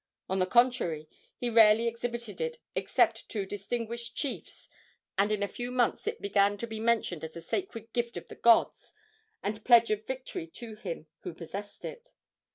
On the contrary, he rarely exhibited it except to distinguished chiefs, and in a few months it began to be mentioned as a sacred gift of the gods and pledge of victory to him who possessed it.